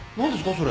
それ。